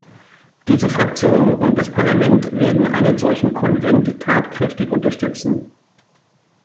Diese Fraktion und das Parlament werden einen solchen Konvent tatkräftig unterstützen.